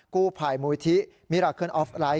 กูภายมวิธิมิหรักเคินออฟไลท์